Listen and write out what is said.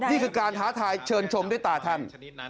นี่คือการท้าทายเชิญชมด้วยตาท่าน